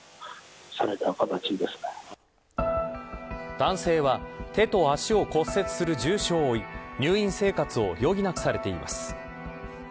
男性は手と足を骨折する重傷を負い入院生活を余儀なくされています。